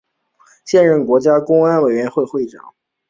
现任国家公安委员会委员长。